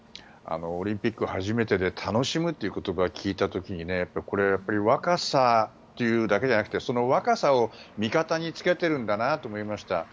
オリンピック初めてで楽しむという言葉を聞いた時これ、やっぱり若さというだけじゃなくてその若さを味方につけてるんだなと思いました。